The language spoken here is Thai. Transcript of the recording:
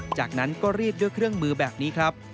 จากนั้นก็รีดด้วยเครื่องมือแบบนี้ครับ